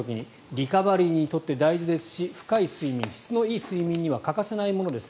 リカバリーにとって大事ですし深い睡眠、質のいい睡眠には欠かせないものです。